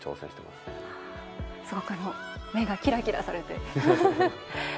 すごく目がキラキラされて。